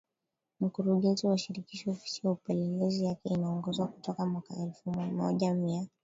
mkurugenzi wa Shirikisho Ofisi ya Upelelezi Yeye inaongozwa kutoka mwaka wa elfu moja mia